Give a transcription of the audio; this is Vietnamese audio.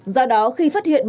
do đó khi phát hiện một